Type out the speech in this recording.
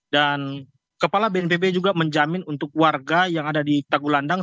dan kepala bnpb juga menjamin untuk warga yang ada di tagulandang